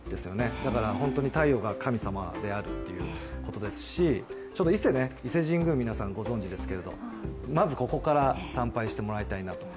だから、太陽が神様であるということですし、伊勢神宮は皆さんご存じですけど、まずここから参拝してもらいたいなと。